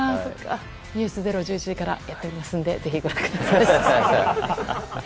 「ｎｅｗｓｚｅｒｏ」１１時からやっているのでぜひ、ご覧ください。